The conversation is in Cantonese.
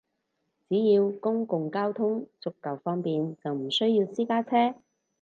只要公共交通足夠方便，就唔需要私家車